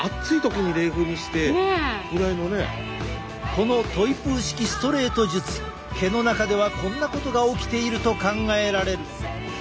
このトイプー式ストレート術毛の中ではこんなことが起きていると考えられる。